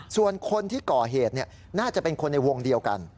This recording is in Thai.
ส่วนคนที่ก่อเหตุน่าจะเป็นคนในวงเดียวกัน